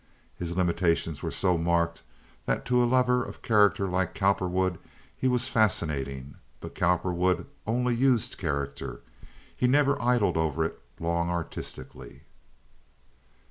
His limitations were so marked that to a lover of character like Cowperwood he was fascinating—but Cowperwood only used character. He never idled over it long artistically.